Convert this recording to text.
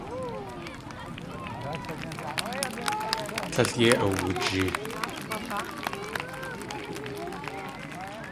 Tlél yéi awujee.